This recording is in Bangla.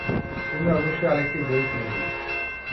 তুমি অবশ্যই আরেকটি বই কিনে নেবে।